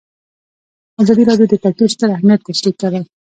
ازادي راډیو د کلتور ستر اهميت تشریح کړی.